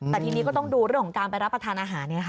แต่ทีนี้ก็ต้องดูเรื่องของการไปรับประทานอาหาร